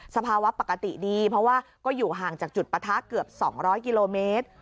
สภาวะปกติดีเพราะว่าก็อยู่ห่างจากจุดปะทะเกือบ๒๐๐กิโลเมตร